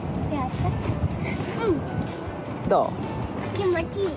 気持ちいい？